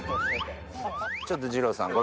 ちょっとじろうさん